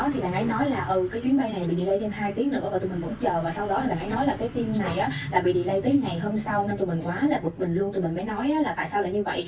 tới giờ này là còn một trăm linh năm triệu cộng với tiền đổi của tụi mình nữa